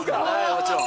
もちろん。